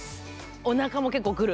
おなかも結構くる？